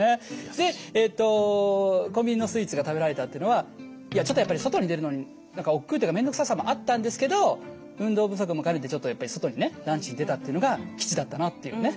でえっと「コンビニのスイーツが食べられた」っていうのはいやちょっとやっぱり外に出るのに何かおっくうっていうかめんどくささもあったんですけど運動不足も兼ねてちょっとやっぱり外にねランチに出たっていうのが吉だったなっていうね。